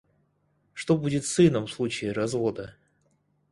Что будет с сыном в случае развода?